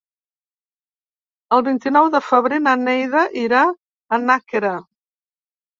El vint-i-nou de febrer na Neida irà a Nàquera.